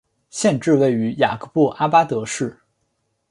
县治位于雅各布阿巴德市。